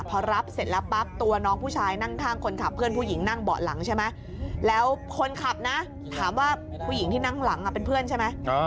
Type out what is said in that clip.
พอรับเสร็จแล้วปั๊บตัวน้องผู้ชายนั่งข้างคนขับเพื่อนผู้หญิงนั่งเบาะหลังใช่ไหมแล้วคนขับนะถามว่าผู้หญิงที่นั่งหลังเป็นเพื่อนใช่ไหม